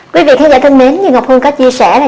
quý vị khán giả thân mến như ngọc hương có chia sẻ là